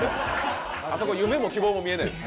あそこ、夢も希望も見えないです。